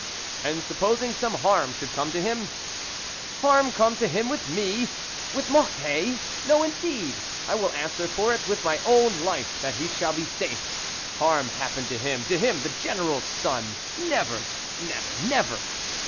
"And supposing some harm should come to him ?"" Harm come to him with me ? With Mocquet ? No, indeed ! I will answer for it with my own life, that he shall be safe. Harm happen to him, to him, the General's son ? Never, never, never